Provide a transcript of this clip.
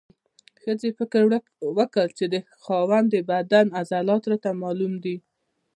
ښځې فکر وکړ چې د خاوند د بدن عضلات راته معلوم دي.